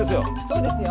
そうですよ。